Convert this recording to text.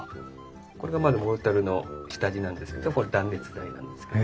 これがまずモルタルの下地なんですけどこれ断熱材なんですけど。